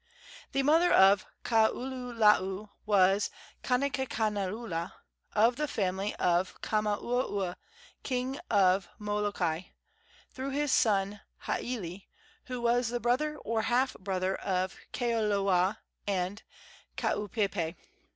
The mother of Kaululaau was Kanikaniaula, of the family of Kamauaua, king of Molokai, through his son Haili, who was the brother or half brother of Keoloewa and Kaupeepee.